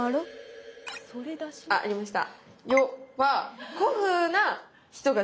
あありました。